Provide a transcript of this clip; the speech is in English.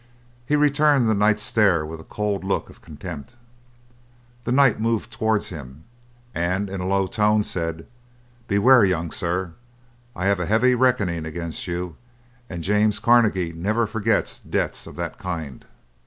He returned the knight's stare with a cold look of contempt. The knight moved towards him, and in a low tone said, "Beware, young sir, I have a heavy reckoning against you, and James Carnegie never forgets debts of that kind!"